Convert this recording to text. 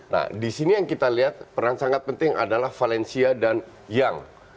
nah di sini yang kita lihat peran sangat penting adalah valencia dan yang